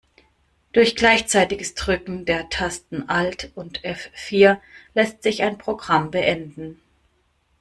Durch gleichzeitiges Drücken der Tasten Alt und F-vier lässt sich ein Programm beenden.